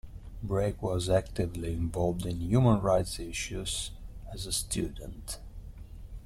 Brake was actively involved in human rights issues as a student.